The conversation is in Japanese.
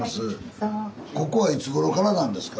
ここはいつごろからなんですか？